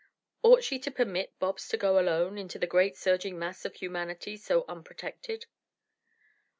Ought she to permit Bobs to go alone into the great surging mass of humanity so unprotected?